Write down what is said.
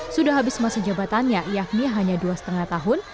sudah habis masa jabatannya yakni hanya dua lima tahun